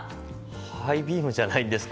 ハイビームじゃないんですか。